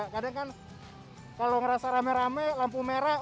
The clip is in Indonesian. kadang kan kalau ngerasa rame rame lampu merah